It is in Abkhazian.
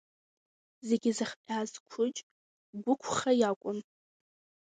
Зегьы зыхҟьаз Қәыџь гәықәха иакәын.